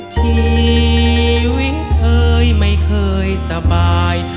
ชีวิตเอ่ยไม่เคยสบาย